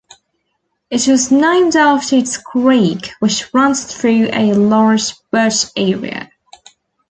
It was named after its creek, which runs through a large birch area.